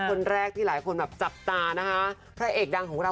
คนแรกหลายคนจับตาและภรรยาเอกดังของเรา